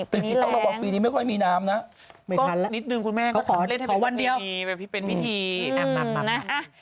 ติดจิตต้องบอกปีนี้ไม่ค่อยมีน้ำนะไม่ทันแล้วขอเล่นให้เป็นวันเดียวเป็นวิธีอำนับนะ